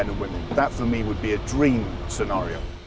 itu untuk saya adalah senarai impian